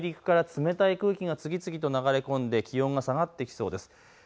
大陸から冷たい空気が次々と流れ込んで気温が下がってきそうです。